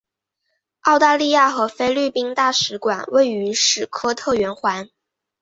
澳大利亚和菲律宾大使馆位于斯科特圆环。